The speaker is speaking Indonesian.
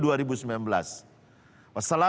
wassalamualaikum warahmatullahi wabarakatuh